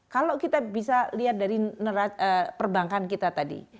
kalau kita bisa lihat dari perbankan kita tadi